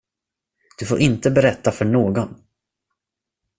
Du får inte berätta för någon.